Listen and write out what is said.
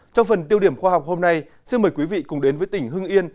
trong phần tiêu điểm khoa học hôm nay xin mời quý vị cùng đến với tỉnh hưng yên